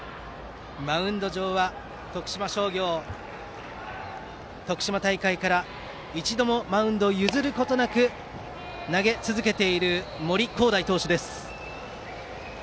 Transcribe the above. マウンド上は徳島大会から一度もマウンドを譲ることなく投げ続けている森煌誠投手です。